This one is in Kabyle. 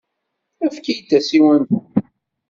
Efk-iyi-d tasiwant-nni.